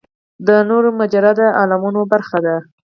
د نورو مجرده عالمونو برخه ده.